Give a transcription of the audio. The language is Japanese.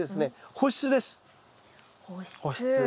保湿。